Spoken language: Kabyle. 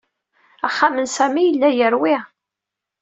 Axxam n Sami yella yerwi.